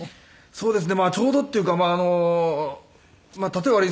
そうですね。